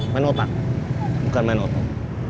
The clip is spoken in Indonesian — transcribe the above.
main otak bukan main otak